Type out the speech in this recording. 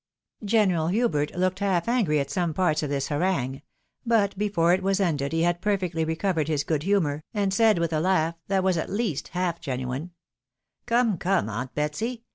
General Hubert looked half angry at some parts of this harangue ; but before it was ended he had perfectly recovered his good humour, and said with a laugh, that was at least half genuine, " Come, come, aunt Betsy.